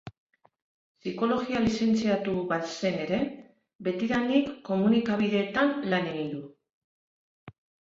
Psikologia lizentziatu bazen ere, betidanik komunikabideetan lan egin du.